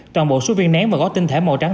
toàn bộ số viên nén và gói tinh thể màu trắng